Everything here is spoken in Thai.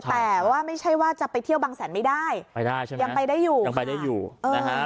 แต่ไม่ใช่ว่าจะไปเที่ยวบางแสนไม่ได้ไปได้ยังไปได้อยู่นะคะ